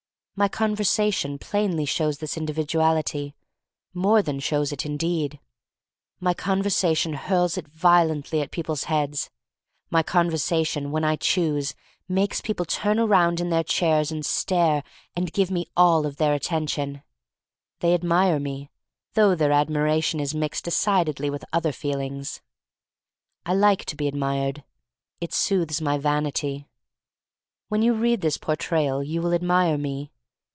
My conversation plainly shows this individuality — more than shows it, indeed. My conversation hurls it vio lently at people's heads. My conversa tion — when I choose — makes people turn around in their chairs and stare and give me all of their attention. They admire me, though their admira tion is mixed decidedly with other feel ings. I like to be admired. It soothes my vanity. When you read this Portrayal you will admire me.